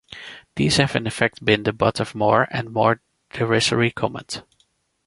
These have in fact been the butt of more and more derisory comment.